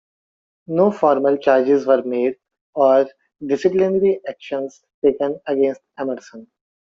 No formal charges were made, or disciplinary actions taken against Emerson.